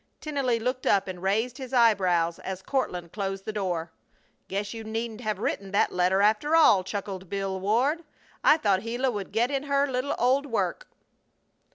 Tennelly looked up and raised his eyebrows as Courtland closed the door. "Guess you needn't have written that letter, after all!" chuckled Bill Ward. "I thought Gila would get in her little old work!"